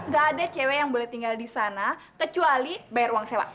gak ada cewek yang boleh tinggal di sana kecuali bayar uang sewa